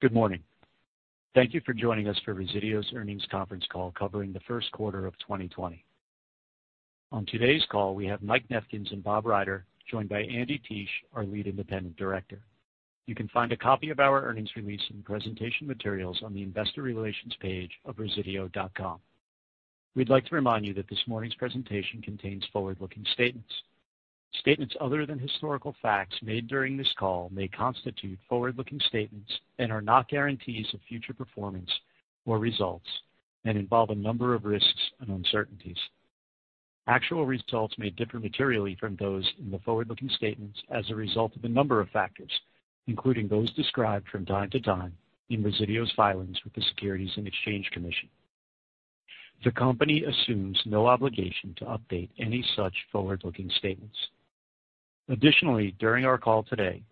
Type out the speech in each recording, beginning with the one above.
Good morning. Thank you for joining us for Resideo's earnings conference call covering the first quarter of 2020. On today's call, we have Mike Nefkens and Bob Ryder, joined by Andy Teich, our Lead Independent Director. You can find a copy of our earnings release and presentation materials on the investor relations page of resideo.com. We'd like to remind you that this morning's presentation contains forward-looking statements. Statements other than historical facts made during this call may constitute forward-looking statements and are not guarantees of future performance or results, and involve a number of risks and uncertainties. Actual results may differ materially from those in the forward-looking statements as a result of a number of factors, including those described from time to time in Resideo's filings with the Securities and Exchange Commission. The company assumes no obligation to update any such forward-looking statements. During our call today,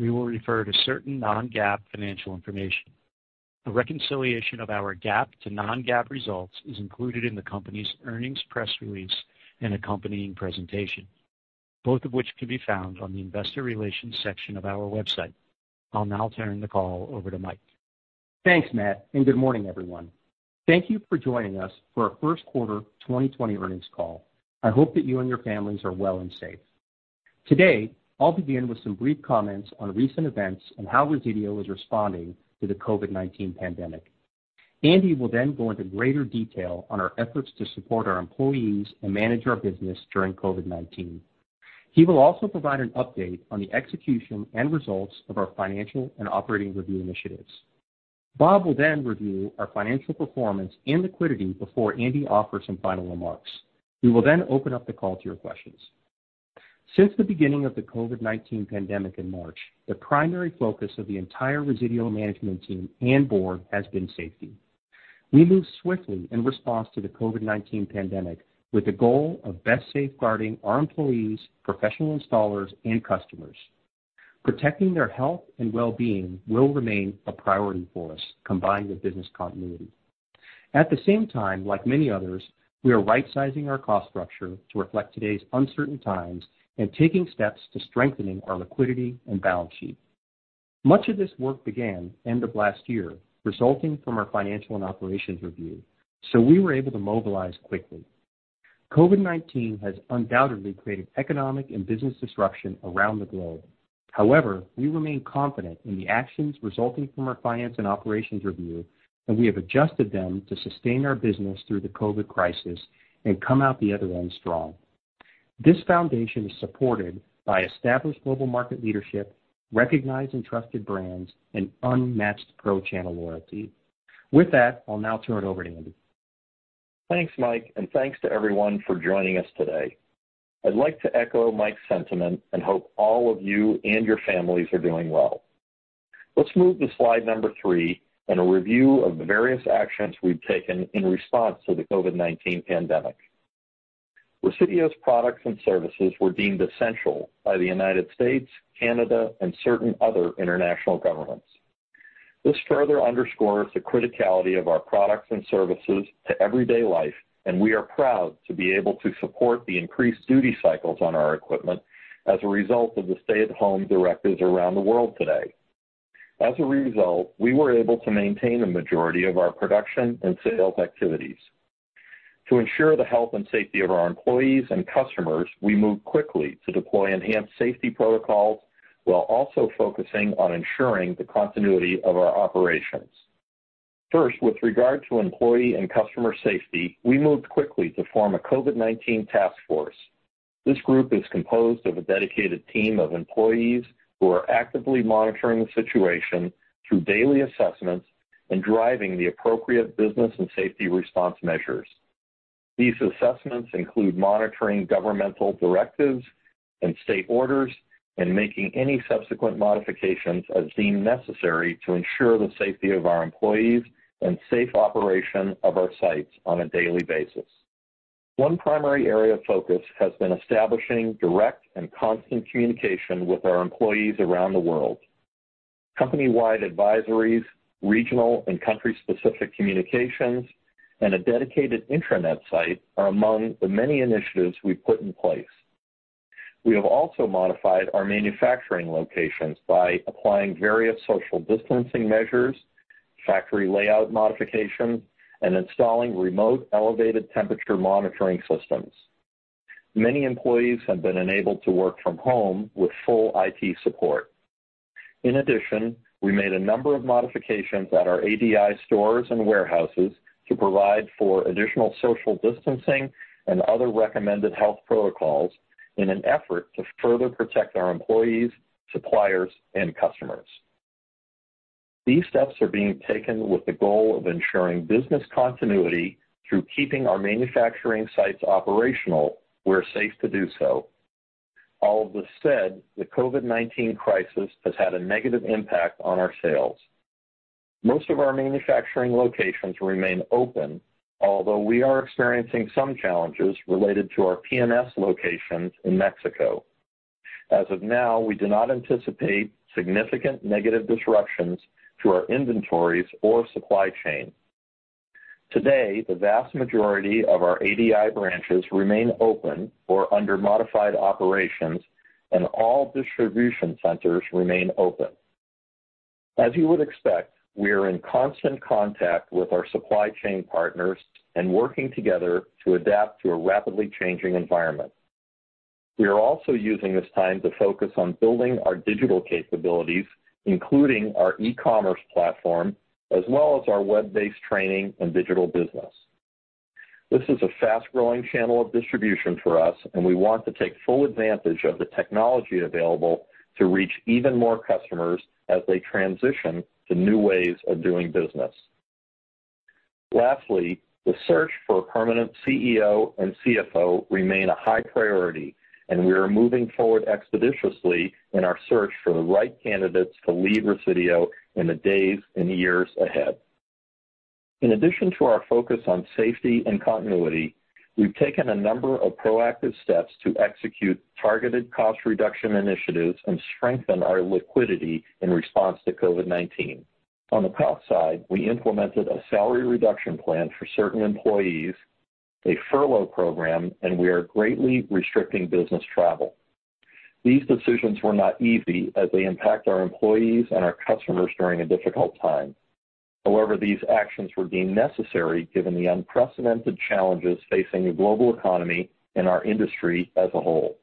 we will refer to certain non-GAAP financial information. A reconciliation of our GAAP to non-GAAP results is included in the company's earnings press release and accompanying presentation, both of which can be found on the investor relations section of our website. I'll now turn the call over to Mike. Thanks, Matt. Good morning, everyone. Thank you for joining us for our first quarter 2020 earnings call. I hope that you and your families are well and safe. Today, I'll begin with some brief comments on recent events and how Resideo is responding to the COVID-19 pandemic. Andy will go into greater detail on our efforts to support our employees and manage our business during COVID-19. He will also provide an update on the execution and results of our Financial and Operating Review initiatives. Bob will review our financial performance and liquidity before Andy offers some final remarks. We will open up the call to your questions. Since the beginning of the COVID-19 pandemic in March, the primary focus of the entire Resideo management team and board has been safety. We moved swiftly in response to the COVID-19 pandemic with the goal of best safeguarding our employees, professional installers, and customers. Protecting their health and well-being will remain a priority for us, combined with business continuity. At the same time, like many others, we are rightsizing our cost structure to reflect today's uncertain times and taking steps to strengthening our liquidity and balance sheet. Much of this work began end of last year, resulting from our financial and operational review, so we were able to mobilize quickly. COVID-19 has undoubtedly created economic and business disruption around the globe. However, we remain confident in the actions resulting from our financial and operational review, and we have adjusted them to sustain our business through the COVID crisis and come out the other end strong. This foundation is supported by established global market leadership, recognized and trusted brands, and unmatched pro-channel loyalty. With that, I'll now turn it over to Andy. Thanks, Mike, and thanks to everyone for joining us today. I'd like to echo Mike's sentiment and hope all of you and your families are doing well. Let's move to slide number three and a review of the various actions we've taken in response to the COVID-19 pandemic. Resideo's products and services were deemed essential by the U.S., Canada, and certain other international governments. This further underscores the criticality of our products and services to everyday life, and we are proud to be able to support the increased duty cycles on our equipment as a result of the stay-at-home directives around the world today. As a result, we were able to maintain a majority of our production and sales activities. To ensure the health and safety of our employees and customers, we moved quickly to deploy enhanced safety protocols while also focusing on ensuring the continuity of our operations. First, with regard to employee and customer safety, we moved quickly to form a COVID-19 task force. This group is composed of a dedicated team of employees who are actively monitoring the situation through daily assessments and driving the appropriate business and safety response measures. These assessments include monitoring governmental directives and state orders and making any subsequent modifications as deemed necessary to ensure the safety of our employees and safe operation of our sites on a daily basis. One primary area of focus has been establishing direct and constant communication with our employees around the world. Company-wide advisories, regional and country-specific communications, and a dedicated intranet site are among the many initiatives we've put in place. We have also modified our manufacturing locations by applying various social distancing measures, factory layout modifications, and installing remote elevated temperature monitoring systems. Many employees have been enabled to work from home with full IT support. In addition, we made a number of modifications at our ADI stores and warehouses to provide for additional social distancing and other recommended health protocols in an effort to further protect our employees, suppliers, and customers. These steps are being taken with the goal of ensuring business continuity through keeping our manufacturing sites operational where safe to do so. All of this said, the COVID-19 crisis has had a negative impact on our sales. Most of our manufacturing locations remain open, although we are experiencing some challenges related to our P&S locations in Mexico. As of now, we do not anticipate significant negative disruptions to our inventories or supply chain. Today, the vast majority of our ADI branches remain open or under modified operations, and all distribution centers remain open. As you would expect, we are in constant contact with our supply chain partners and working together to adapt to a rapidly changing environment. We are also using this time to focus on building our digital capabilities, including our e-commerce platform, as well as our web-based training and digital business. This is a fast-growing channel of distribution for us, and we want to take full advantage of the technology available to reach even more customers as they transition to new ways of doing business. Lastly, the search for a permanent CEO and CFO remain a high priority, and we are moving forward expeditiously in our search for the right candidates to lead Resideo in the days and years ahead. In addition to our focus on safety and continuity, we've taken a number of proactive steps to execute targeted cost reduction initiatives and strengthen our liquidity in response to COVID-19. On the cost side, we implemented a salary reduction plan for certain employees, a furlough program, and we are greatly restricting business travel. These decisions were not easy as they impact our employees and our customers during a difficult time. However, these actions were deemed necessary given the unprecedented challenges facing the global economy and our industry as a whole.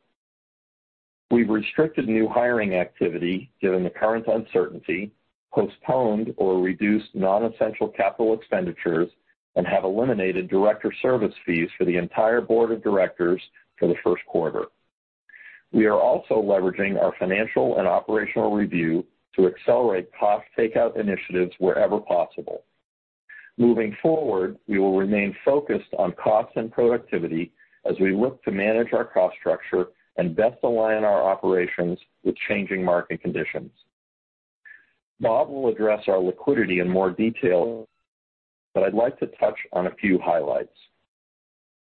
We've restricted new hiring activity given the current uncertainty, postponed or reduced non-essential capital expenditures, and have eliminated director service fees for the entire board of directors for the first quarter. We are also leveraging our financial and operational review to accelerate cost takeout initiatives wherever possible. Moving forward, we will remain focused on cost and productivity as we look to manage our cost structure and best align our operations with changing market conditions. Bob will address our liquidity in more detail, but I'd like to touch on a few highlights.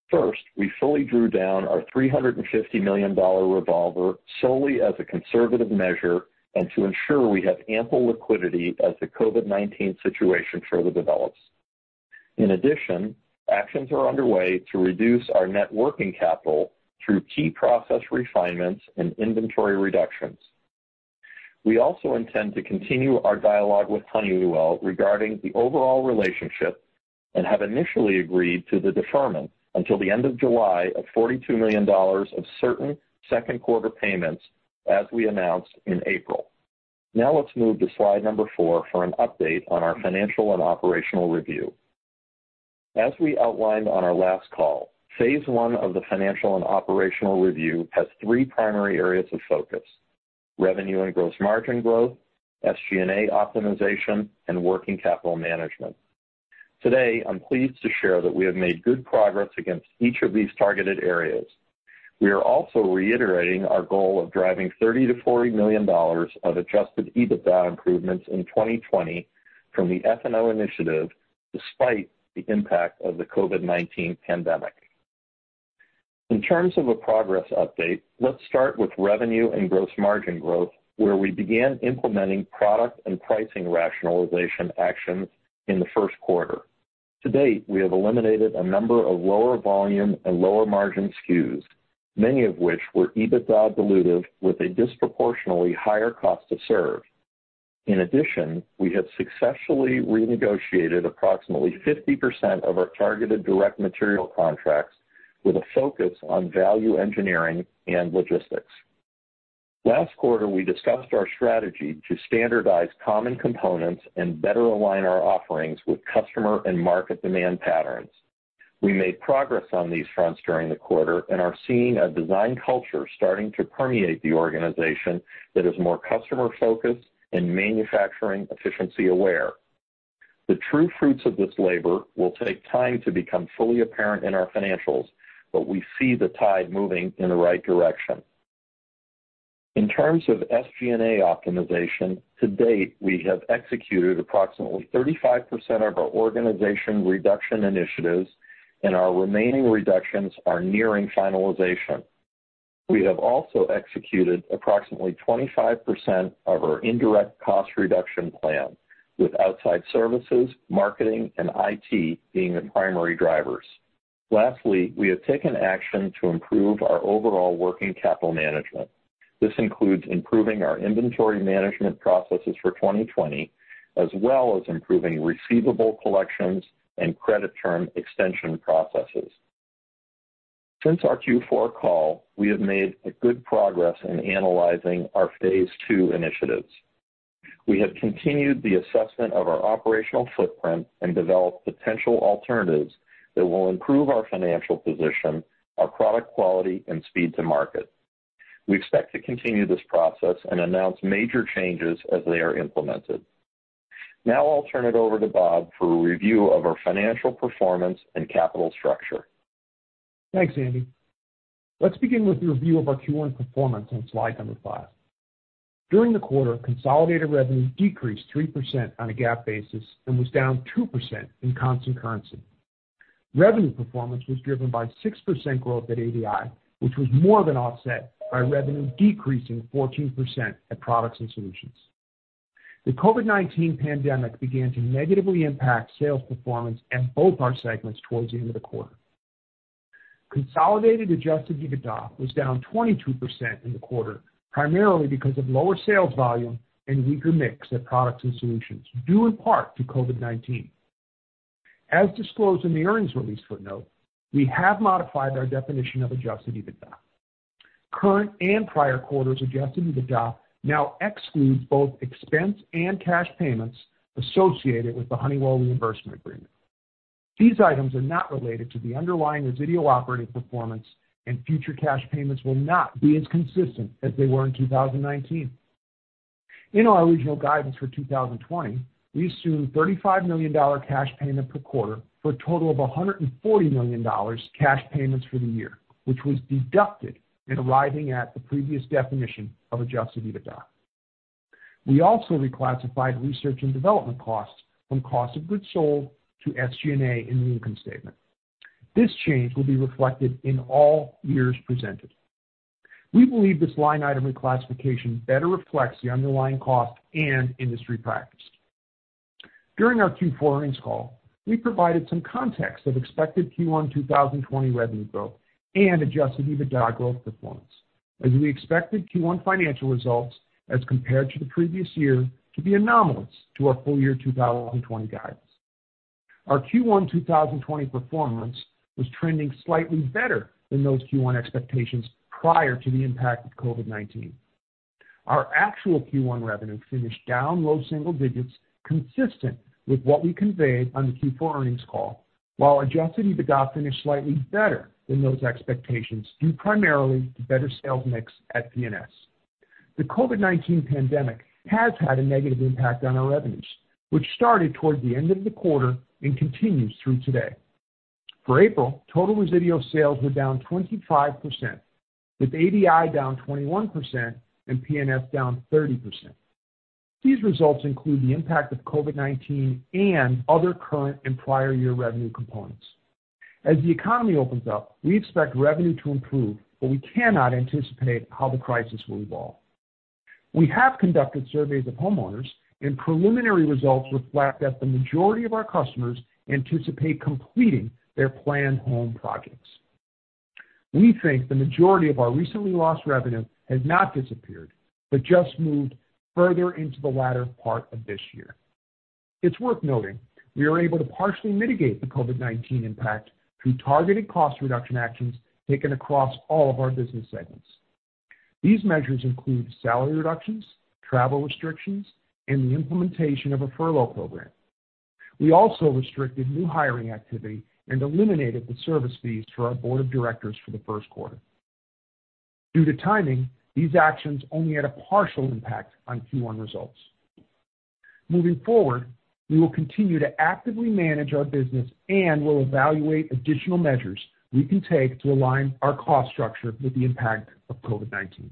First, we fully drew down our $350 million revolver solely as a conservative measure and to ensure we have ample liquidity as the COVID-19 situation further develops. In addition, actions are underway to reduce our net working capital through key process refinements and inventory reductions. We also intend to continue our dialogue with Honeywell regarding the overall relationship and have initially agreed to the deferment until the end of July of $42 million of certain second quarter payments as we announced in April. Let's move to slide number four for an update on our financial and operational review. As we outlined on our last call, phase one of the financial and operational review has three primary areas of focus, revenue and gross margin growth, SG&A optimization, and working capital management. Today, I'm pleased to share that we have made good progress against each of these targeted areas. We are also reiterating our goal of driving $30 million-$40 million of adjusted EBITDA improvements in 2020 from the F&O initiative, despite the impact of the COVID-19 pandemic. In terms of a progress update, let's start with revenue and gross margin growth, where we began implementing product and pricing rationalization actions in the first quarter. To date, we have eliminated a number of lower volume and lower margin SKUs, many of which were EBITDA dilutive with a disproportionately higher cost to serve. In addition, we have successfully renegotiated approximately 50% of our targeted direct material contracts with a focus on value engineering and logistics. Last quarter, we discussed our strategy to standardize common components and better align our offerings with customer and market demand patterns. We made progress on these fronts during the quarter and are seeing a design culture starting to permeate the organization that is more customer-focused and manufacturing efficiency aware. The true fruits of this labor will take time to become fully apparent in our financials, but we see the tide moving in the right direction. In terms of SGA optimization, to date, we have executed approximately 35% of our organization reduction initiatives, and our remaining reductions are nearing finalization. We have also executed approximately 25% of our indirect cost reduction plan, with outside services, marketing, and IT being the primary drivers. Lastly, we have taken action to improve our overall working capital management. This includes improving our inventory management processes for 2020, as well as improving receivable collections and credit term extension processes. Since our Q4 call, we have made a good progress in analyzing our phase II initiatives. We have continued the assessment of our operational footprint and developed potential alternatives that will improve our financial position, our product quality, and speed to market. We expect to continue this process and announce major changes as they are implemented. Now I'll turn it over to Bob for a review of our financial performance and capital structure. Thanks, Andy. Let's begin with a review of our Q1 performance on slide number five. During the quarter, consolidated revenue decreased 3% on a GAAP basis and was down 2% in constant currency. Revenue performance was driven by 6% growth at ADI, which was more than offset by revenue decreasing 14% at products and solutions. The COVID-19 pandemic began to negatively impact sales performance in both our segments towards the end of the quarter. Consolidated adjusted EBITDA was down 22% in the quarter, primarily because of lower sales volume and weaker mix at Products & Solutions, due in part to COVID-19. As disclosed in the earnings release footnote, we have modified our definition of adjusted EBITDA. Current and prior quarters adjusted EBITDA now excludes both expense and cash payments associated with the Honeywell reimbursement agreement. These items are not related to the underlying Resideo operating performance, and future cash payments will not be as consistent as they were in 2019. In our original guidance for 2020, we assumed a $35 million cash payment per quarter for a total of $140 million cash payments for the year, which was deducted in arriving at the previous definition of adjusted EBITDA. We also reclassified research and development costs from cost of goods sold to SG&A in the income statement. This change will be reflected in all years presented. We believe this line item reclassification better reflects the underlying cost and industry practice. During our Q4 earnings call, we provided some context of expected Q1 2020 revenue growth and adjusted EBITDA growth performance, as we expected Q1 financial results as compared to the previous year to be anomalous to our full-year 2020 guidance. Our Q1 2020 performance was trending slightly better than those Q1 expectations prior to the impact of COVID-19. Our actual Q1 revenue finished down low single digits, consistent with what we conveyed on the Q4 earnings call, while adjusted EBITDA finished slightly better than those expectations, due primarily to better sales mix at P&S. The COVID-19 pandemic has had a negative impact on our revenues, which started toward the end of the quarter and continues through today. For April, total Resideo sales were down 25%, with ADI down 21% and P&S down 30%. These results include the impact of COVID-19 and other current and prior year revenue components. As the economy opens up, we expect revenue to improve, but we cannot anticipate how the crisis will evolve. We have conducted surveys of homeowners, and preliminary results reflect that the majority of our customers anticipate completing their planned home projects. We think the majority of our recently lost revenue has not disappeared, but just moved further into the latter part of this year. It's worth noting we are able to partially mitigate the COVID-19 impact through targeted cost reduction actions taken across all of our business segments. These measures include salary reductions, travel restrictions, and the implementation of a furlough program. We also restricted new hiring activity and eliminated the service fees for our board of directors for the first quarter. Due to timing, these actions only had a partial impact on Q1 results. Moving forward, we will continue to actively manage our business and will evaluate additional measures we can take to align our cost structure with the impact of COVID-19.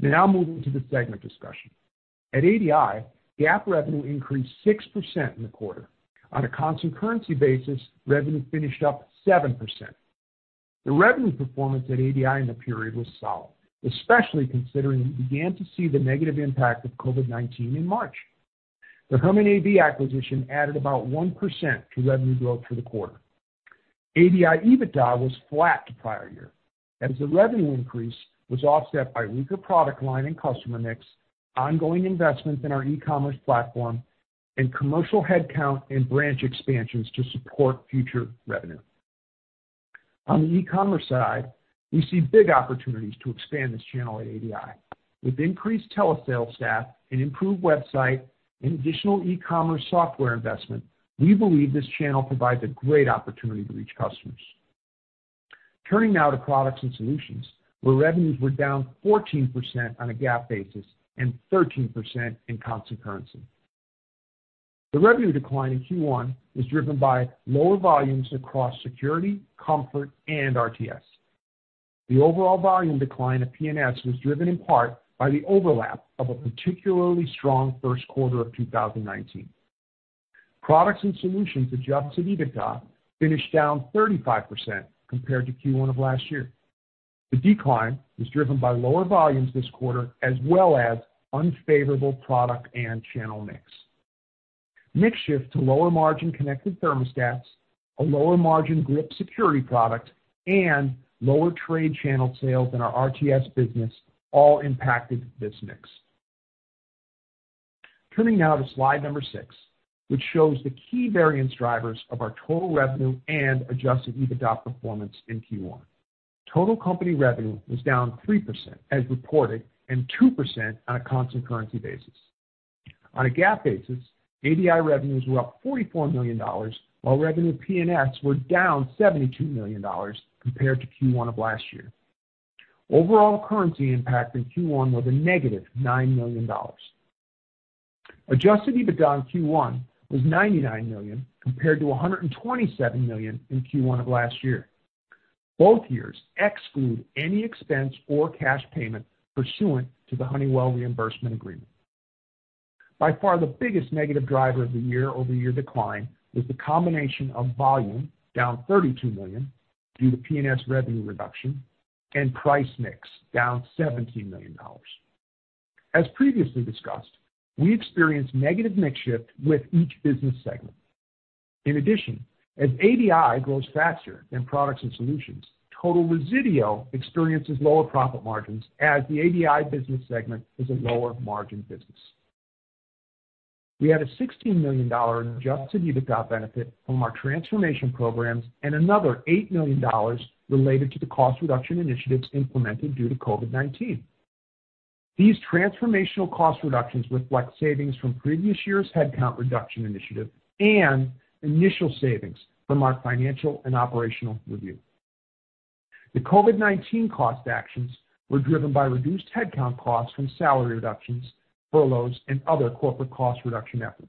Moving to the segment discussion. At ADI, GAAP revenue increased 6% in the quarter. On a constant currency basis, revenue finished up 7%. The revenue performance at ADI in the period was solid, especially considering we began to see the negative impact of COVID-19 in March. The Honeywell acquisition added about 1% to revenue growth for the quarter. ADI EBITDA was flat to prior year as the revenue increase was offset by weaker product line and customer mix, ongoing investments in our e-commerce platform, and commercial headcount and branch expansions to support future revenue. On the e-commerce side, we see big opportunities to expand this channel at ADI. With increased telesales staff, an improved website, and additional e-commerce software investment, we believe this channel provides a great opportunity to reach customers. Turning now to Products & Solutions, where revenues were down 14% on a GAAP basis and 13% in constant currency. The revenue decline in Q1 was driven by lower volumes across security, comfort, and RTS. The overall volume decline at P&S was driven in part by the overlap of a particularly strong first quarter of 2019. Products and solutions adjusted EBITDA finished down 35% compared to Q1 of last year. The decline was driven by lower volumes this quarter as well as unfavorable product and channel mix. Mix shift to lower margin connected thermostats, a lower margin GRIP security product, and lower trade channel sales in our RTS business all impacted this mix. Turning now to slide number six, which shows the key variance drivers of our total revenue and adjusted EBITDA performance in Q1. Total company revenue was down 3% as reported and 2% on a constant currency basis. On a GAAP basis, ADI revenues were up $44 million, while revenue at P&S were down $72 million compared to Q1 of last year. Overall currency impact in Q1 was a -$9 million. Adjusted EBITDA in Q1 was $99 million, compared to $127 million in Q1 of last year. Both years exclude any expense or cash payment pursuant to the Honeywell reimbursement agreement. By far, the biggest negative driver of the year-over-year decline was the combination of volume, down $32 million due to P&S revenue reduction and price mix down $17 million. As previously discussed, we experienced negative mix shift with each business segment. In addition, as ADI grows faster than Products & Solutions, total Resideo experiences lower profit margins as the ADI business segment is a lower margin business. We had a $16 million adjusted EBITDA benefit from our transformation programs and another $8 million related to the cost reduction initiatives implemented due to COVID-19. These transformational cost reductions reflect savings from previous year's headcount reduction initiative and initial savings from our financial and operational review. The COVID-19 cost actions were driven by reduced headcount costs from salary reductions, furloughs, and other corporate cost reduction efforts.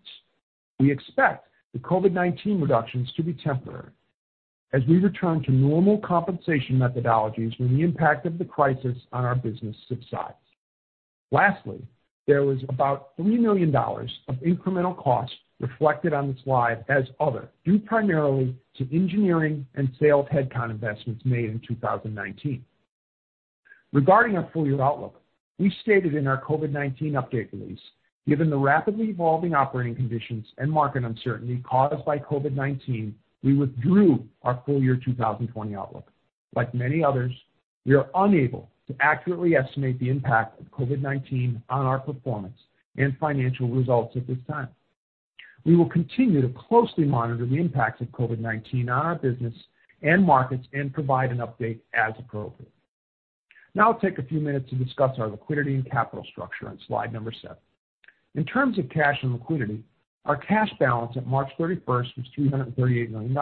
We expect the COVID-19 reductions to be temporary as we return to normal compensation methodologies when the impact of the crisis on our business subsides. Lastly, there was about $3 million of incremental costs reflected on the slide as other, due primarily to engineering and sales headcount investments made in 2019. Regarding our full-year outlook, we stated in our COVID-19 update release, given the rapidly evolving operating conditions and market uncertainty caused by COVID-19, we withdrew our full-year 2020 outlook. Like many others, we are unable to accurately estimate the impact of COVID-19 on our performance and financial results at this time. We will continue to closely monitor the impacts of COVID-19 on our business and markets and provide an update as appropriate. I'll take a few minutes to discuss our liquidity and capital structure on slide seven. In terms of cash and liquidity, our cash balance at March 31st was $338 million.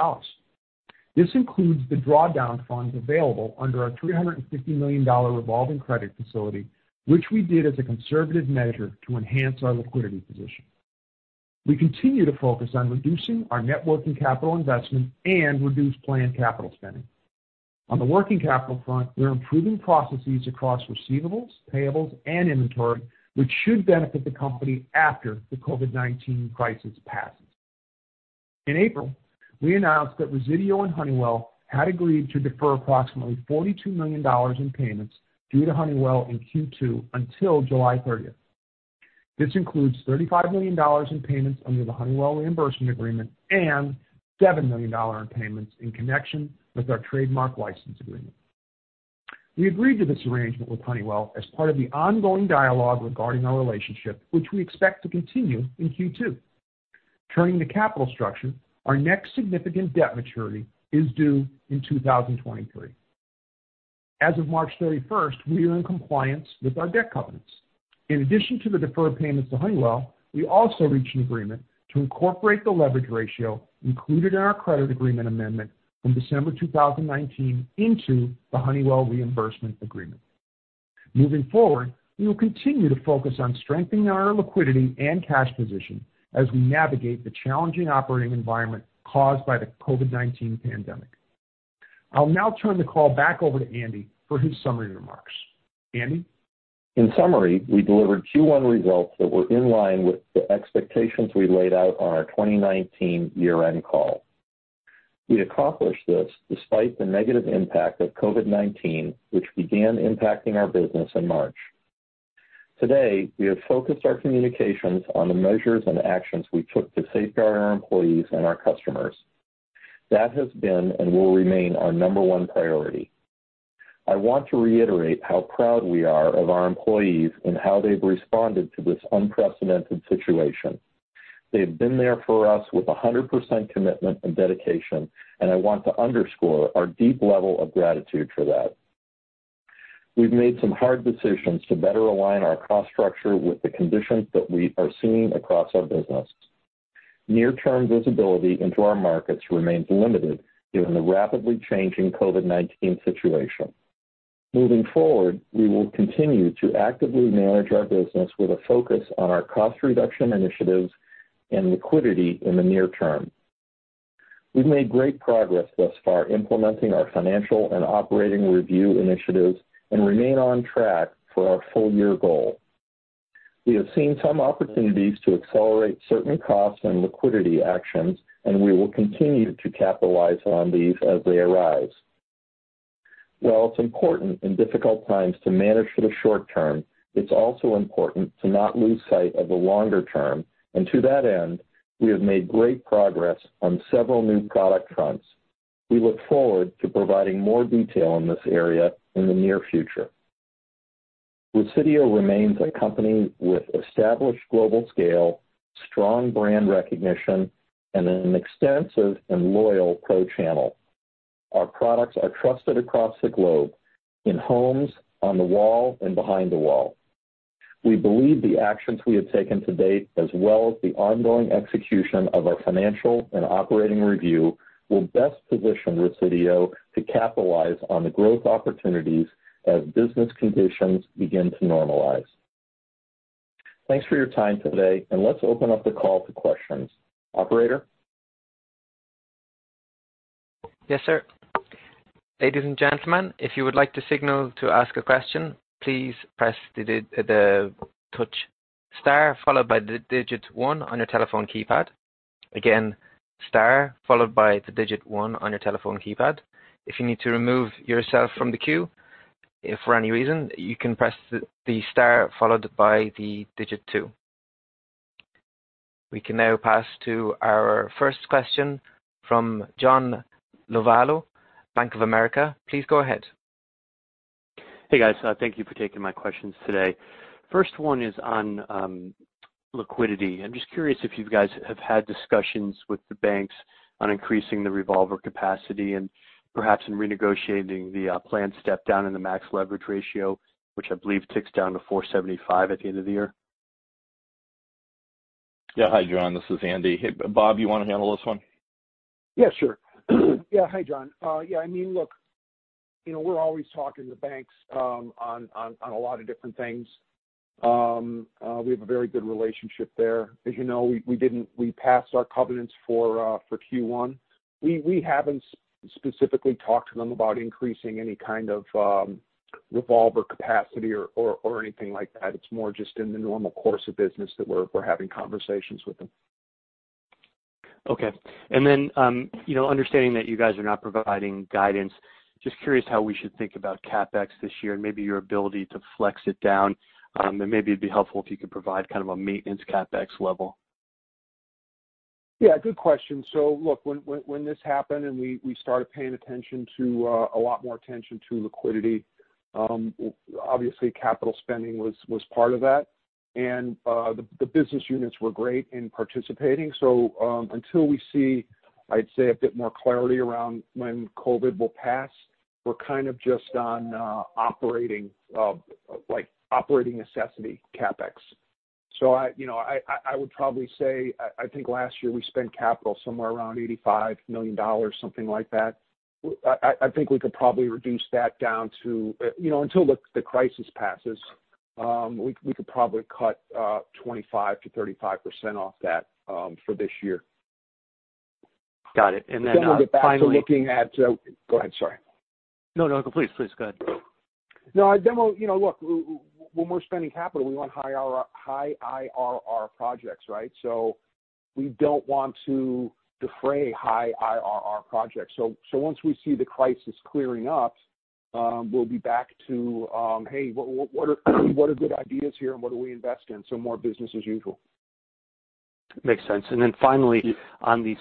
This includes the drawdown funds available under our $350 million revolving credit facility, which we did as a conservative measure to enhance our liquidity position. We continue to focus on reducing our net working capital investment and reduce planned capital spending. On the working capital front, we're improving processes across receivables, payables, and inventory, which should benefit the company after the COVID-19 crisis passes. In April, we announced that Resideo and Honeywell had agreed to defer approximately $42 million in payments due to Honeywell in Q2 until July 30th. This includes $35 million in payments under the Honeywell reimbursement agreement and $7 million in payments in connection with our trademark license agreement. We agreed to this arrangement with Honeywell as part of the ongoing dialogue regarding our relationship, which we expect to continue in Q2. Turning to capital structure, our next significant debt maturity is due in 2023. As of March 31st, we are in compliance with our debt covenants. In addition to the deferred payments to Honeywell, we also reached an agreement to incorporate the leverage ratio included in our credit agreement amendment from December 2019 into the Honeywell reimbursement agreement. Moving forward, we will continue to focus on strengthening our liquidity and cash position as we navigate the challenging operating environment caused by the COVID-19 pandemic. I'll now turn the call back over to Andy for his summary remarks. Andy? In summary, we delivered Q1 results that were in line with the expectations we laid out on our 2019 year-end call. We accomplished this despite the negative impact of COVID-19, which began impacting our business in March. Today, we have focused our communications on the measures and actions we took to safeguard our employees and our customers. That has been and will remain our number one priority. I want to reiterate how proud we are of our employees and how they've responded to this unprecedented situation. They've been there for us with 100% commitment and dedication, and I want to underscore our deep level of gratitude for that. We've made some hard decisions to better align our cost structure with the conditions that we are seeing across our business. Near-term visibility into our markets remains limited given the rapidly changing COVID-19 situation. Moving forward, we will continue to actively manage our business with a focus on our cost reduction initiatives and liquidity in the near term. We've made great progress thus far implementing our financial and operational review initiatives and remain on track for our full-year goal. We have seen some opportunities to accelerate certain cost and liquidity actions, and we will continue to capitalize on these as they arise. While it's important in difficult times to manage for the short term, it's also important to not lose sight of the longer term. To that end, we have made great progress on several new product fronts. We look forward to providing more detail in this area in the near future. Resideo remains a company with established global scale, strong brand recognition, and an extensive and loyal pro channel. Our products are trusted across the globe, in homes, on the wall, and behind the wall. We believe the actions we have taken to date, as well as the ongoing execution of our financial and operational review, will best position Resideo to capitalize on the growth opportunities as business conditions begin to normalize. Thanks for your time today. Let's open up the call to questions. Operator? Yes, sir. Ladies and gentlemen, if you would like to signal to ask a question, please press the star followed by the digit one on your telephone keypad. Star followed by the digit one on your telephone keypad. If you need to remove yourself from the queue, for any reason, you can press the star followed by the digit two. We can now pass to our first question from John Lovallo, Bank of America. Please go ahead. Hey, guys. Thank you for taking my questions today. First one is on liquidity. I'm just curious if you guys have had discussions with the banks on increasing the revolver capacity and perhaps in renegotiating the planned step-down in the max leverage ratio, which I believe ticks down to 4.75 at the end of the year. Yeah. Hi, John. This is Andy. Hey, Bob, you want to handle this one? Sure. Hi, John. Look, we're always talking to banks on a lot of different things. We have a very good relationship there. As you know, we passed our covenants for Q1. We haven't specifically talked to them about increasing any kind of revolver capacity or anything like that. It's more just in the normal course of business that we're having conversations with them. Okay. Understanding that you guys are not providing guidance, just curious how we should think about CapEx this year and maybe your ability to flex it down. Maybe it'd be helpful if you could provide kind of a maintenance CapEx level. Yeah, good question. Look, when this happened and we started paying a lot more attention to liquidity, obviously capital spending was part of that. The business units were great in participating. Until we see, I'd say a bit more clarity around when COVID-19 will pass, we're kind of just on operating necessity CapEx. I would probably say, I think last year we spent capital somewhere around $85 million, something like that. I think we could probably reduce that down to Until the crisis passes, we could probably cut 25%-35% off that for this year. Got it. Some of the facts we're looking at... Go ahead, sorry. No, no, please. Please, go ahead. No, look, when we're spending capital, we want high IRR projects, right? We don't want to defray high IRR projects. Once we see the crisis clearing up, we'll be back to, "Hey, what are good ideas here and what do we invest in?" More business as usual. Makes sense. Finally, on the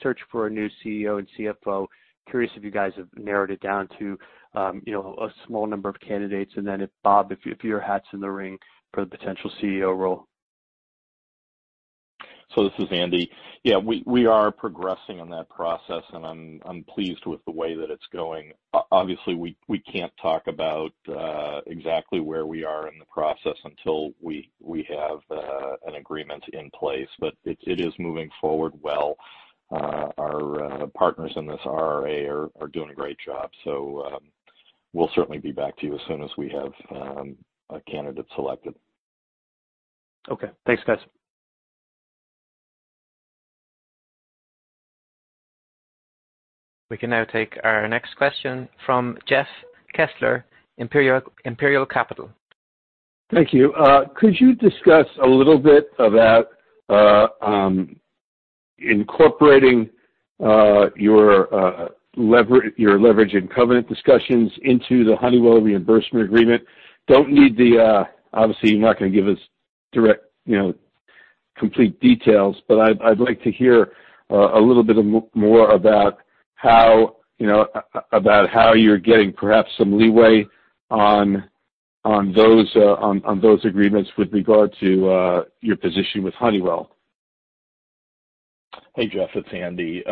search for a new CEO and CFO, curious if you guys have narrowed it down to a small number of candidates, and then if, Bob, if your hat's in the ring for the potential CEO role. This is Andy Teich. Yeah, we are progressing on that process, and I'm pleased with the way that it's going. Obviously, we can't talk about exactly where we are in the process until we have an agreement in place. It is moving forward well. Our partners in this RRA are doing a great job. We'll certainly be back to you as soon as we have a candidate selected. Okay. Thanks, guys. We can now take our next question from Jeff Kessler, Imperial Capital. Thank you. Could you discuss a little bit about incorporating your leverage and covenant discussions into the Honeywell reimbursement agreement? Obviously, you're not going to give us direct, complete details, but I'd like to hear a little bit more about how you're getting perhaps some leeway on those agreements with regard to your position with Honeywell. Hey, Jeff, it's Andy.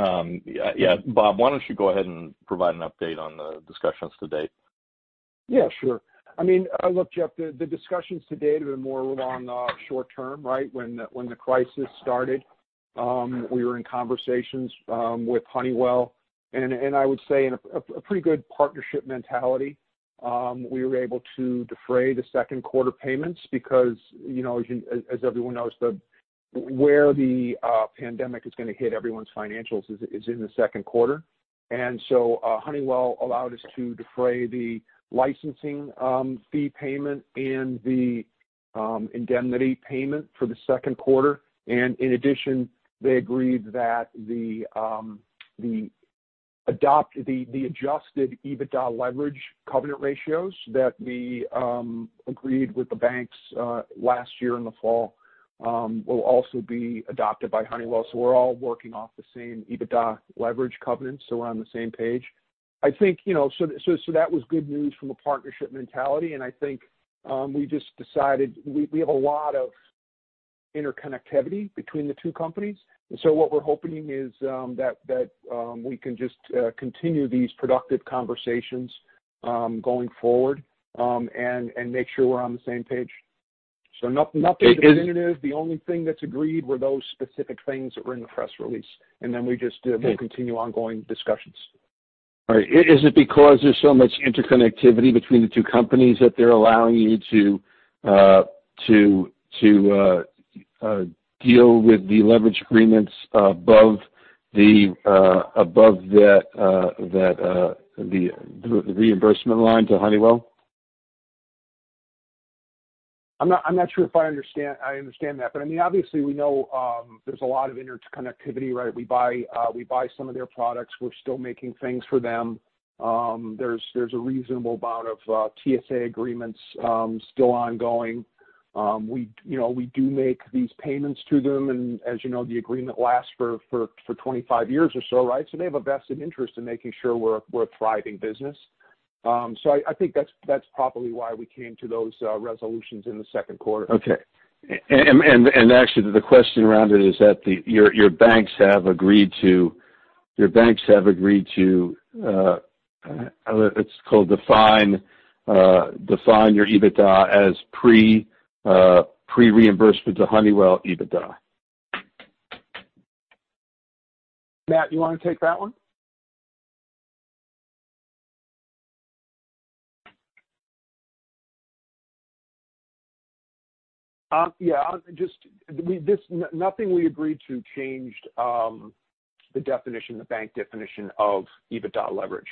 Yeah, Bob, why don't you go ahead and provide an update on the discussions to date? Yeah, sure. Look, Jeff, the discussions to date have been more along the short term, right? When the crisis started, we were in conversations with Honeywell, and I would say in a pretty good partnership mentality. We were able to defray the second quarter payments because, as everyone knows, where the pandemic is going to hit everyone's financials is in the second quarter. Honeywell allowed us to defray the licensing fee payment and the indemnity payment for the second quarter. In addition, they agreed that the adjusted EBITDA leverage covenant ratios that we agreed with the banks last year in the fall will also be adopted by Honeywell. We're all working off the same EBITDA leverage covenants, so we're on the same page. That was good news from a partnership mentality, and I think we just decided we have a lot of interconnectivity between the two companies. What we're hoping is that we can just continue these productive conversations going forward, and make sure we're on the same page. Nothing definitive. The only thing that's agreed were those specific things that were in the press release. We'll continue ongoing discussions. All right. Is it because there's so much interconnectivity between the two companies that they're allowing you to deal with the leverage agreements above the reimbursement line to Honeywell? I'm not sure if I understand that. Obviously, we know there's a lot of interconnectivity, right? We buy some of their products. We're still making things for them. There's a reasonable amount of TSA agreements still ongoing. We do make these payments to them, and as you know, the agreement lasts for 25 years or so, right? They have a vested interest in making sure we're a thriving business. I think that's probably why we came to those resolutions in the second quarter. Okay. Actually, the question around it is that your banks have agreed to, it's called define your EBITDA as pre-reimbursement to Honeywell EBITDA. Matt, you want to take that one? Yeah. Nothing we agreed to changed the bank definition of EBITDA leverage.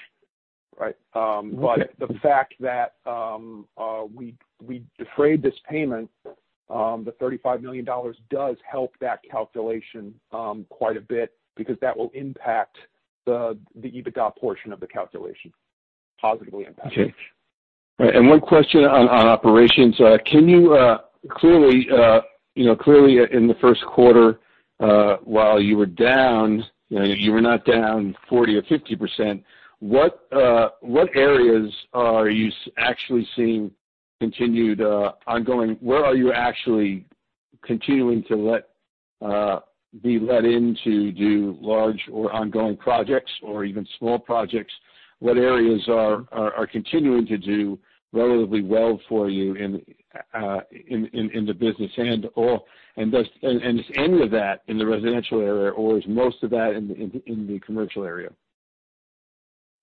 Right? Okay. The fact that we defrayed this payment, the $35 million, does help that calculation quite a bit because that will impact the EBITDA portion of the calculation, positively impact it. Okay. One question on operations. Clearly, in the first quarter, while you were down, you were not down 40% or 50%. Where are you actually continuing to be let in to do large or ongoing projects or even small projects? What areas are continuing to do relatively well for you in the business? Is any of that in the residential area, or is most of that in the commercial area?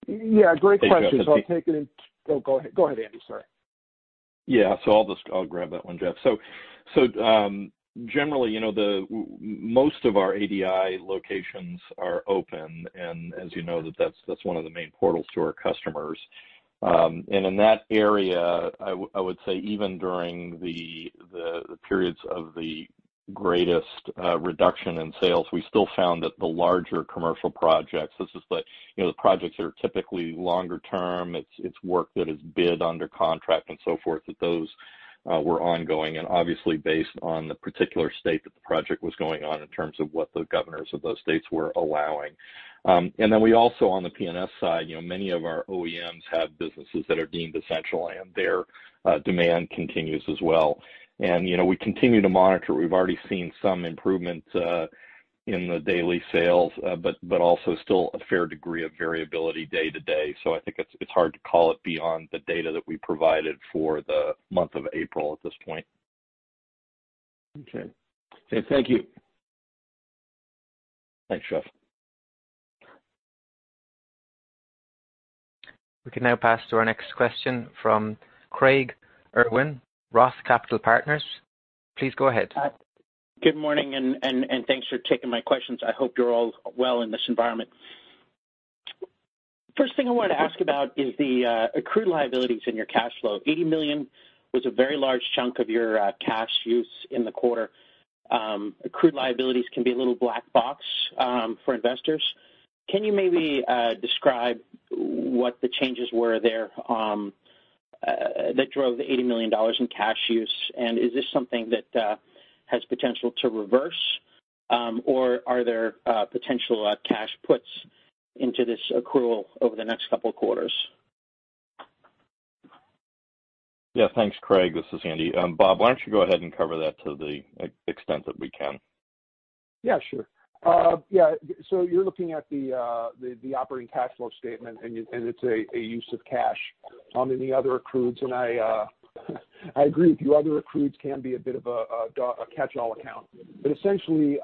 Yeah, great question. I'll take it. Go ahead, Andy. Sorry. Yeah, I'll grab that one, Jeff. Generally, most of our ADI locations are open, and as you know, that's one of the main portals to our customers. In that area, I would say even during the periods of the greatest reduction in sales, we still found that the larger commercial projects, the projects that are typically longer term, it's work that is bid under contract and so forth, that those were ongoing, and obviously based on the particular state that the project was going on in terms of what the governors of those states were allowing. Then we also, on the P&S side, many of our OEMs have businesses that are deemed essential, and their demand continues as well. We continue to monitor. We've already seen some improvement in the daily sales, but also still a fair degree of variability day to day. I think it's hard to call it beyond the data that we provided for the month of April at this point. Okay. Thank you. Thanks, Jeff. We can now pass to our next question from Craig Irwin, Roth Capital Partners. Please go ahead. Good morning, and thanks for taking my questions. I hope you're all well in this environment. First thing I wanted to ask about is the accrued liabilities in your cash flow. $80 million was a very large chunk of your cash use in the quarter. Accrued liabilities can be a little black box for investors. Can you maybe describe what the changes were there that drove the $80 million in cash use, and is this something that has potential to reverse? Or are there potential cash puts into this accrual over the next couple of quarters? Yeah. Thanks, Craig. This is Andy. Bob, why don't you go ahead and cover that to the extent that we can? You are looking at the operating cash flow statement, and it's a use of cash in the other accrueds. I agree with you, other accrueds can be a bit of a catchall account. Essentially,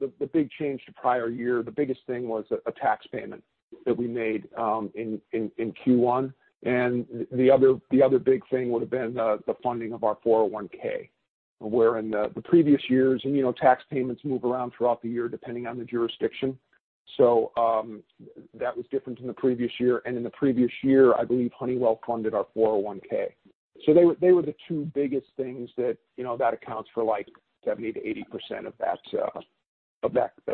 the big change to prior year, the biggest thing was a tax payment that we made in Q1. The other big thing would have been the funding of our 401(k), where in the previous years, and tax payments move around throughout the year depending on the jurisdiction. That was different in the previous year. In the previous year, I believe Honeywell funded our 401(k). They were the two biggest things that account for 70%-80% of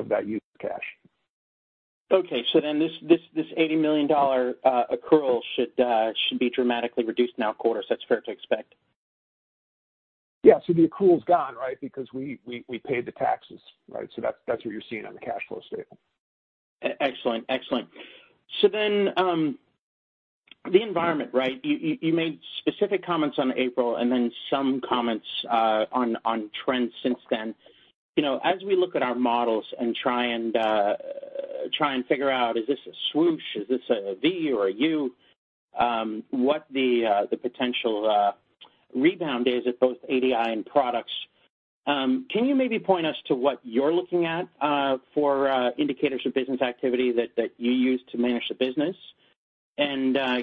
that use of cash. Okay. This $80 million accrual should be dramatically reduced now quarters, that's fair to expect? Yeah. The accrual's gone, right? Because we paid the taxes, right? That's what you're seeing on the cash flow statement. Excellent. The environment, right? You made specific comments on April and then some comments on trends since then. As we look at our models and try and figure out, is this a swoosh, is this a V or a U, what the potential rebound is at both ADI and products, can you maybe point us to what you're looking at for indicators of business activity that you use to manage the business?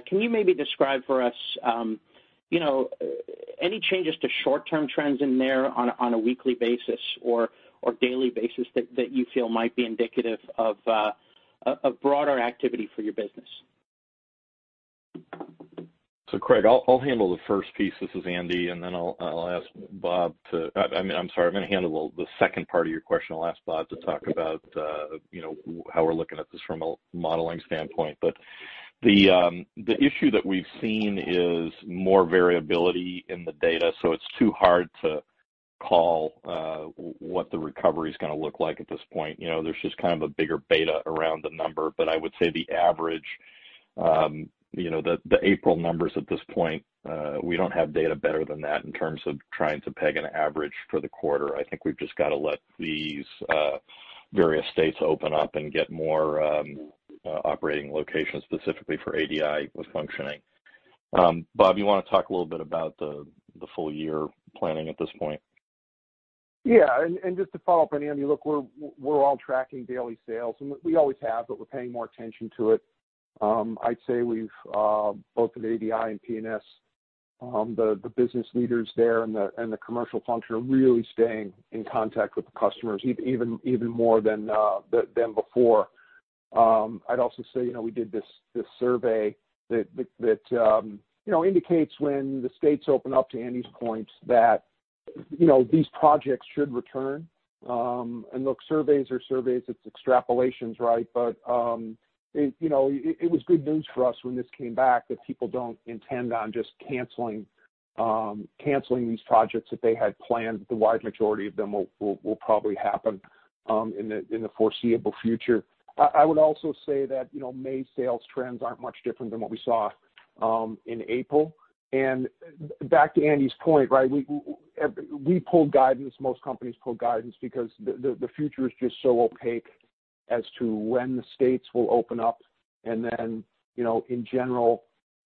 Can you maybe describe for us any changes to short-term trends in there on a weekly basis or daily basis that you feel might be indicative of broader activity for your business? Craig, I'll handle the first piece. This is Andy, I'm going to handle the second part of your question. I'll ask Bob to talk about how we're looking at this from a modeling standpoint. The issue that we've seen is more variability in the data, it's too hard to call what the recovery's going to look like at this point. There's just kind of a bigger beta around the number. I would say the average, the April numbers at this point, we don't have data better than that in terms of trying to peg an average for the quarter. I think we've just got to let these various states open up and get more operating locations, specifically for ADI, with functioning. Bob, you want to talk a little bit about the full year planning at this point? Yeah. Just to follow up on Andy, look, we're all tracking daily sales, and we always have, but we're paying more attention to it. I'd say we've, both at ADI and P&S, the business leaders there and the commercial function are really staying in contact with the customers, even more than before. I'd also say, we did this survey that indicates when the states open up, to Andy's point, that these projects should return. Look, surveys are surveys. It's extrapolations, right? It was good news for us when this came back, that people don't intend on just canceling these projects that they had planned. The wide majority of them will probably happen in the foreseeable future. I would also say that May sales trends aren't much different than what we saw in April. Back to Andy's point, we pulled guidance, most companies pulled guidance because the future is just so opaque as to when the states will open up. In general,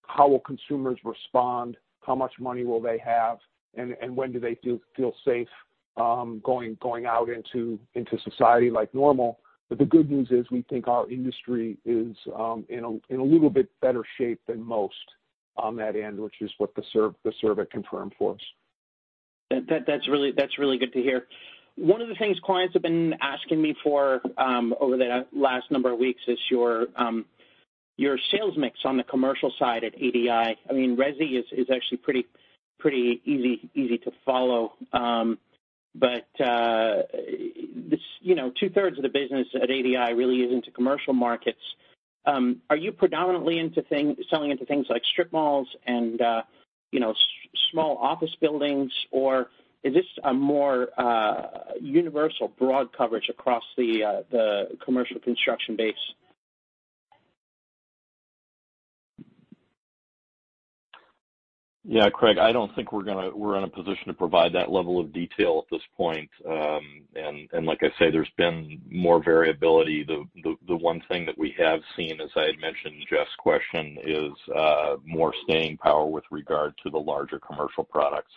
how will consumers respond? How much money will they have, and when do they feel safe going out into society like normal? The good news is we think our industry is in a little bit better shape than most on that end, which is what the survey confirmed for us. That's really good to hear. One of the things clients have been asking me for over the last number of weeks is your sales mix on the commercial side at ADI. Resideo is actually pretty easy to follow. Two-thirds of the business at ADI really is into commercial markets. Are you predominantly selling into things like strip malls and small office buildings, or is this a more universal, broad coverage across the commercial construction base? Yeah, Craig, I don't think we're in a position to provide that level of detail at this point. Like I say, there's been more variability. The one thing that we have seen, as I had mentioned in Jeff's question, is more staying power with regard to the larger commercial projects.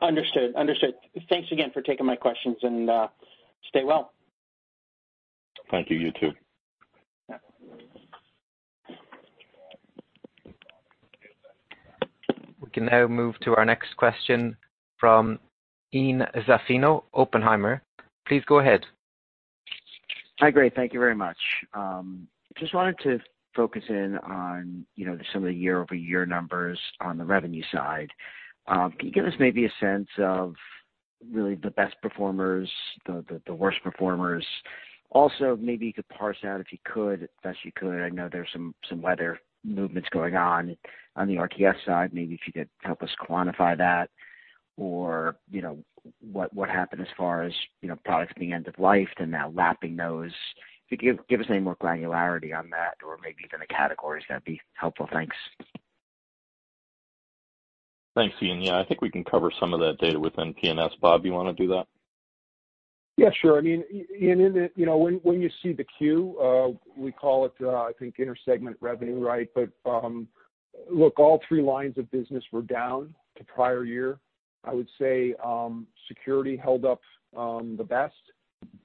Understood. Thanks again for taking my questions, and stay well. Thank you. You too. We can now move to our next question from Ian Zaffino, Oppenheimer. Please go ahead. Hi, great. Thank you very much. Wanted to focus in on some of the year-over-year numbers on the revenue side. Can you give us maybe a sense of really the best performers, the worst performers? Maybe you could parse out, if you could, as best you could, I know there's some weather movements going on the RTS side. Maybe if you could help us quantify that, or what happened as far as products being end of life and now lapping those. If you could give us any more granularity on that or maybe even the categories, that'd be helpful. Thanks. Thanks, Ian. Yeah, I think we can cover some of that data within P&S. Bob, you want to do that? Yeah, sure. Ian, when you see the queue, we call it, I think, inter-segment revenue, right? Look, all three lines of business were down to prior year. I would say security held up the best.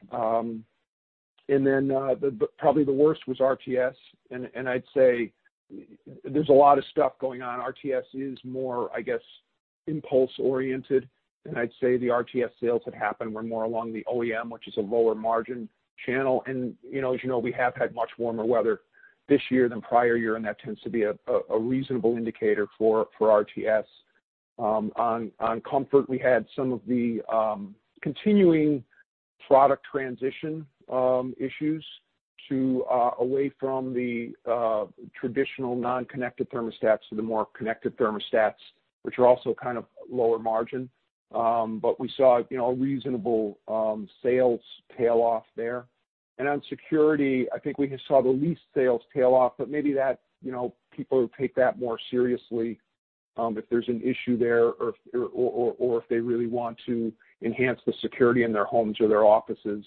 Probably the worst was RTS. I'd say there's a lot of stuff going on. RTS is more, I guess, impulse oriented. I'd say the RTS sales that happened were more along the OEM, which is a lower margin channel. As you know, we have had much warmer weather this year than prior year, and that tends to be a reasonable indicator for RTS. On comfort, we had some of the continuing product transition issues away from the traditional non-connected thermostats to the more connected thermostats, which are also kind of lower margin. We saw a reasonable sales tail off there. On security, I think we saw the least sales tail off, but maybe people take that more seriously, if there's an issue there or if they really want to enhance the security in their homes or their offices.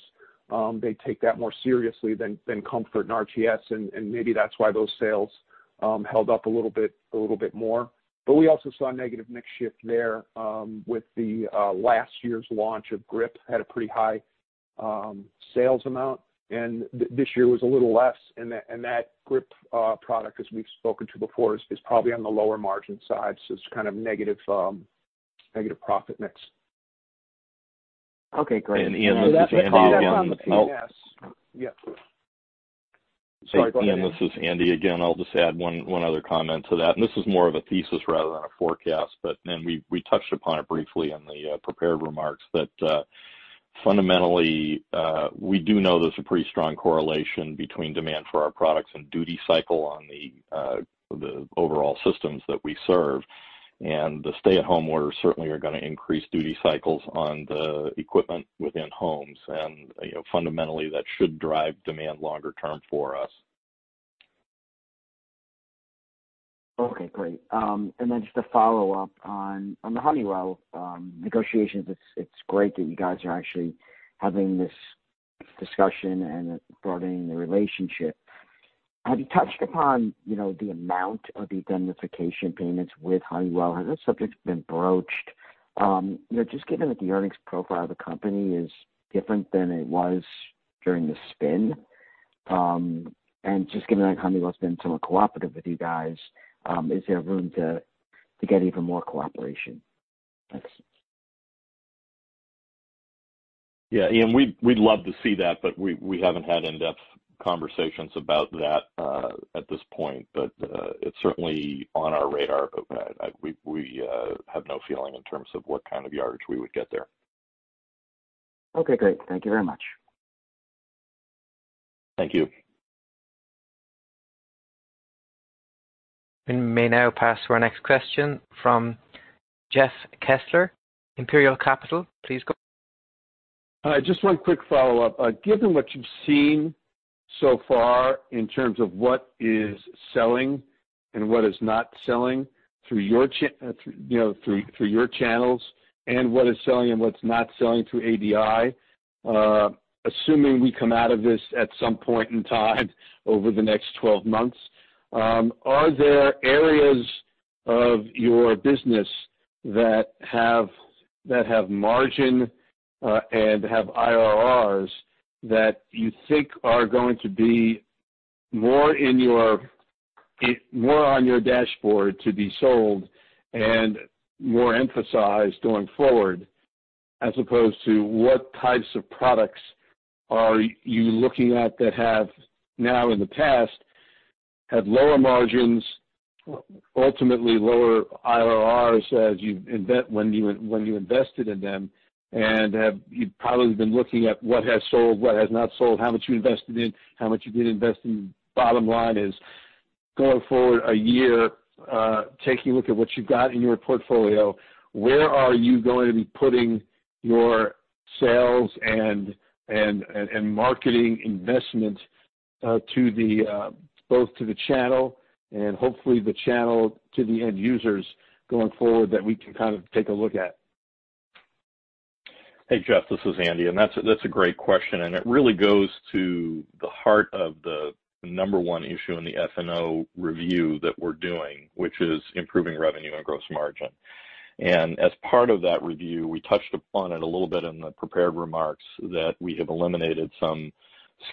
They take that more seriously than comfort and RTS, maybe that's why those sales held up a little bit more. We also saw a negative mix shift there with last year's launch of GRIP had a pretty high sales amount, this year was a little less. That GRIP product, as we've spoken to before, is probably on the lower margin side. It's kind of negative profit mix. Okay, great. Ian, this is Andy again. Yeah. Sorry, go ahead. Ian, this is Andy again. I'll just add one other comment to that. This is more of a thesis rather than a forecast, and we touched upon it briefly in the prepared remarks, that fundamentally, we do know there's a pretty strong correlation between demand for our products and duty cycle on the overall systems that we serve. The stay-at-home orders certainly are going to increase duty cycles on the equipment within homes. Fundamentally, that should drive demand longer term for us. Great. Just a follow-up on the Honeywell negotiations. It's great that you guys are actually having this discussion and broadening the relationship. Have you touched upon the amount of the indemnification payments with Honeywell? Has that subject been broached? Given that the earnings profile of the company is different than it was during the spin, and given that Honeywell's been so cooperative with you guys, is there room to get even more cooperation? Thanks. Ian, we'd love to see that, but we haven't had in-depth conversations about that at this point. It's certainly on our radar. We have no feeling in terms of what kind of yardage we would get there. Okay, great. Thank you very much. Thank you. We may now pass to our next question from Jeff Kessler, Imperial Capital. Just one quick follow-up. Given what you've seen so far in terms of what is selling and what is not selling through your channels, and what is selling and what's not selling through ADI, assuming we come out of this at some point in time over the next 12 months, are there areas of your business that have margin and have IRRs that you think are going to be more on your dashboard to be sold and more emphasized going forward, as opposed to what types of products are you looking at that have now in the past had lower margins, ultimately lower IRRs when you invested in them, and you've probably been looking at what has sold, what has not sold, how much you invested in, how much you didn't invest in? Bottom line is, going forward a year, taking a look at what you've got in your portfolio, where are you going to be putting your sales and marketing investment both to the channel and hopefully the channel to the end users going forward that we can kind of take a look at? Hey, Jeff, this is Andy. That's a great question, and it really goes to the heart of the number 1 issue in the F&O review that we're doing, which is improving revenue and gross margin. As part of that review, we touched upon it a little bit in the prepared remarks that we have eliminated some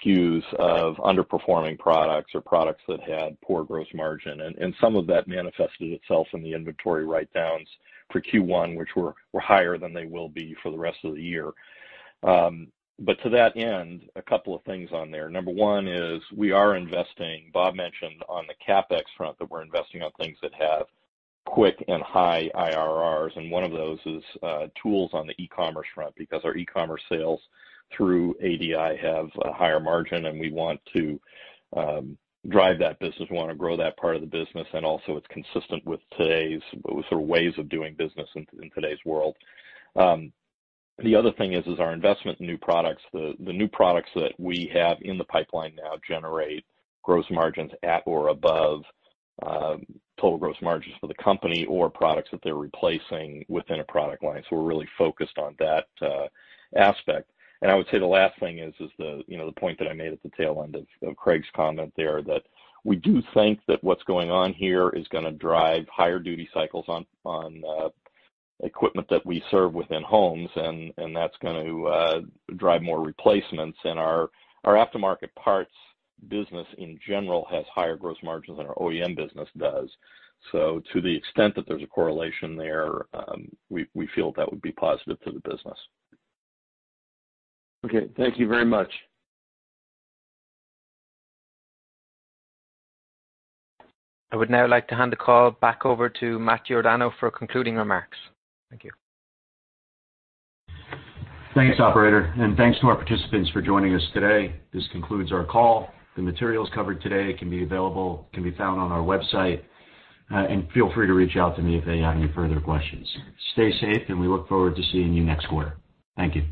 SKUs of underperforming products or products that had poor gross margin. Some of that manifested itself in the inventory write-downs for Q1, which were higher than they will be for the rest of the year. To that end, a couple of things on there. Number 1 is we are investing. Bob mentioned on the CapEx front that we're investing on things that have quick and high IRRs. One of those is tools on the e-commerce front because our e-commerce sales through ADI have a higher margin, and we want to drive that business. We want to grow that part of the business, and also it's consistent with ways of doing business in today's world. The other thing is our investment in new products. The new products that we have in the pipeline now generate gross margins at or above total gross margins for the company or products that they're replacing within a product line. We're really focused on that aspect. I would say the last thing is the point that I made at the tail end of Craig's comment there that we do think that what's going on here is going to drive higher duty cycles on equipment that we serve within homes, and that's going to drive more replacements. Our aftermarket parts business in general has higher gross margins than our OEM business does. To the extent that there's a correlation there, we feel that would be positive to the business. Okay. Thank you very much. I would now like to hand the call back over to Matt Giordano for concluding remarks. Thank you. Thanks, operator, and thanks to our participants for joining us today. This concludes our call. The materials covered today can be found on our website. Feel free to reach out to me if you have any further questions. Stay safe, and we look forward to seeing you next quarter. Thank you.